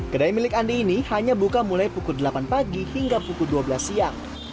kedai milik andi ini hanya buka mulai pukul delapan pagi hingga pukul dua belas siang